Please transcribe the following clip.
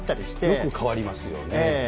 変わりますよね。